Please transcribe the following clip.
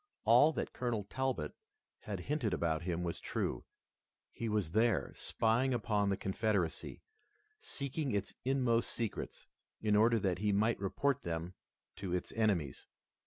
All that Colonel Talbot had hinted about him was true. He was there, spying upon the Confederacy, seeking its inmost secrets, in order that he might report them to its enemies.